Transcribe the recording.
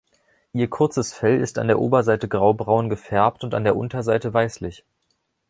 Ihr kurzes Fell ist an der Oberseite graubraun gefärbt und an der Unterseite weißlich.